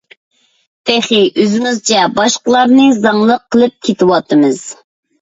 تېخى ئۆزىمىزچە باشقىلارنى زاڭلىق قىلىپ كېتىۋاتىمىز.